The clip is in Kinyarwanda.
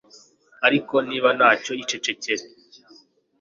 ariko niba nta cyo, icecekere